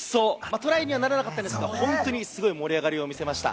トライにはならなかったんですが、本当にすごい盛り上がりを見せました。